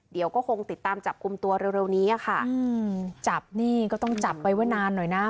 เดี๋ยวก็คงติดตามจับกลุ่มตัวเร็วเร็วนี้อ่ะค่ะอืมจับนี่ก็ต้องจับไว้ว่านานหน่อยนะ